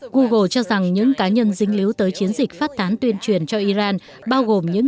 google cho rằng những cá nhân dính líu tới chiến dịch phát tán tuyên truyền cho iran bao gồm những